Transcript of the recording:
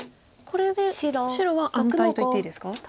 これで白は安泰といっていいですか？